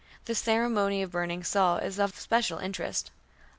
The ceremony of burning Saul is of special interest.